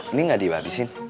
ini gak dibapisin